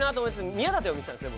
宮舘を見てたんですね